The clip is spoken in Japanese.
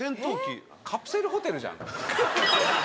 カプセルホテルじゃん。